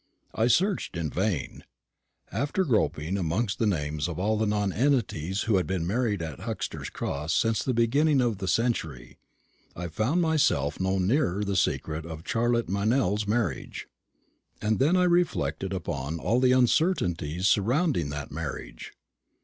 I searched in vain. After groping amongst the names of all the nonentities who had been married at Huxter's Cross since the beginning of the century, I found myself no nearer the secret of Charlotte Meynell's marriage. And then I reflected upon all the uncertainties surrounding that marriage.